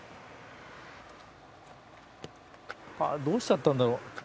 どうしちゃったんだろう。